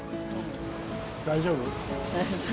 大丈夫。